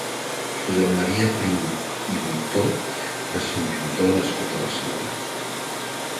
Josep Maria Prim i Guytó va ser un pintor nascut a Barcelona.